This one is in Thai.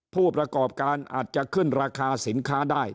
ผู้ประกอบการอาจจะขึ้นราคาสินค้าได้